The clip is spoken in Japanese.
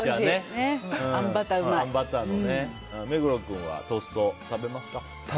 目黒君はトースト、食べますか。